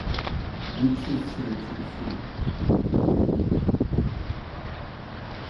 一次次的结束